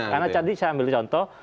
karena jadi saya ambil contoh